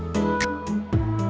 sampai jumpa lagi